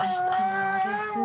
そうですね。